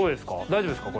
大丈夫ですか？